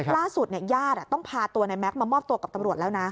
ล่าสุดญาติต้องพาตัวในแก๊กมามอบตัวกับตำรวจแล้วนะ